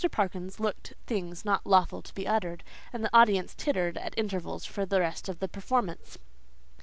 Perkins looked things not lawful to be uttered, and the audience tittered at intervals for the rest of the performance.